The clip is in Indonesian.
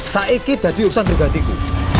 saya ini jadi usahaku